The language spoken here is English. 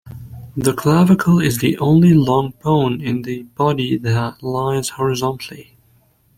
The clavicle is the only long bone in the body that lies horizontally.